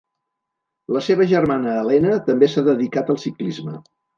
La seva germana Elena també s'ha dedicat al ciclisme.